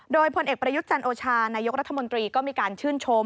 โดยพลเอกประยุทธ์จันโอชานายกรัฐมนตรีก็มีการชื่นชม